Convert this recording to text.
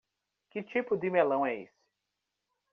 Que tipo de melão é esse?